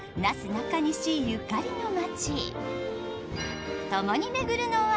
なかにし、ゆかりの町。